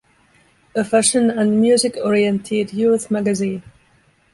A fashion and music-orientated youth magazine.